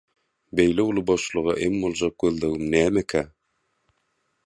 Beýle uly boşluga em boljak gözlegim nämekä?